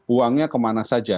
uangnya kemana saja